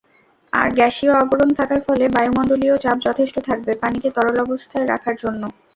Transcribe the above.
আর গ্যাসীয় আবরণ থাকার ফলে বায়ুমন্ডলীয় চাপ যথেষ্ট থাকবে পানিকে তরলবস্থায় রাখার জন্য।